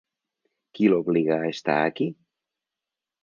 Qui l’obliga a estar aquí?